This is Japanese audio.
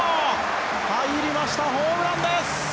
入りました、ホームランです。